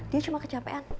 dia cuma kecapean